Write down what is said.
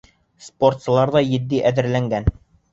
Спортсылар ҙа етди әҙерләнгән.